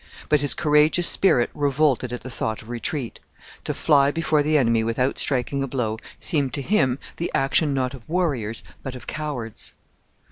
But his courageous spirit revolted at the thought of retreat: to fly before the enemy without striking a blow seemed to him the action not of warriors but of cowards.